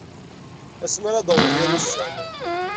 Asmi ara d-awḍen yir ussan.